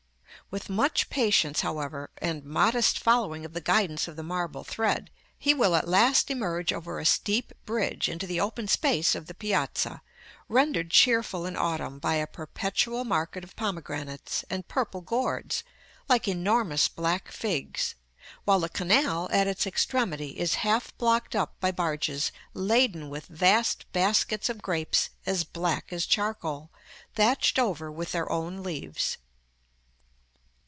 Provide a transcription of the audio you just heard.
With much patience, however, and modest following of the guidance of the marble thread, he will at last emerge over a steep bridge into the open space of the Piazza, rendered cheerful in autumn by a perpetual market of pomegranates, and purple gourds, like enormous black figs; while the canal, at its extremity, is half blocked up by barges laden with vast baskets of grapes as black as charcoal, thatched over with their own leaves.